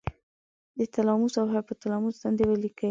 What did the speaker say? د تلاموس او هایپو تلاموس دندې ولیکئ.